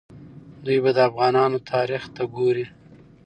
دوی به د افغانانو تاریخ ته ګوري.